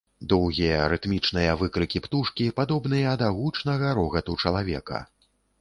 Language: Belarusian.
Доўгія рытмічныя выкрыкі птушкі падобныя да гучнага рогату чалавека.